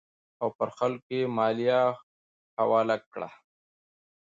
او پر خلکو یې مالیه حواله کړه.